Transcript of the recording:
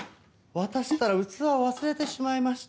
私ったら器を忘れてしまいました。